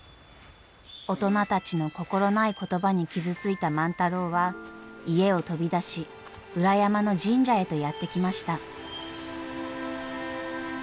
大人たちの心ない言葉に傷ついた万太郎は家を飛び出し裏山の神社へとやって来ました。